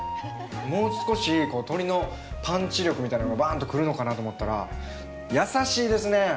もう少し鶏のパンチ力みたいなのがばんと来るのかなと思ったら優しいですね。